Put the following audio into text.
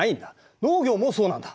農業もそうなんだ。